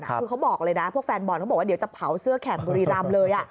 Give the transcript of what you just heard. คือเขาบอกเลยนะพวกแฟนบอลเขาบอกว่าเดี๋ยวจะเผาเสื้อแข่งบุรีรำเลย